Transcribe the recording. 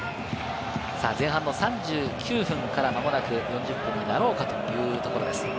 前半３９分からまもなく４０分になろうかというところです。